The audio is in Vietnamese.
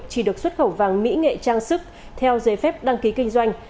chỉ được xuất khẩu vàng mỹ nghệ trang sức theo giấy phép đăng ký kinh doanh